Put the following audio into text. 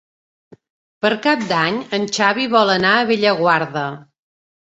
Per Cap d'Any en Xavi vol anar a Bellaguarda.